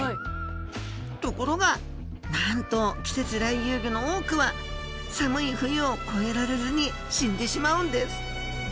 ところがなんと季節来遊魚の多くは寒い冬を越えられずに死んでしまうんです